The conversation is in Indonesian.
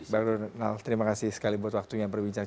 bang rul ngal terima kasih sekali buat waktunya berbincang